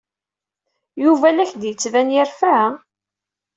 Yuba la ak-d-yettban yerfa?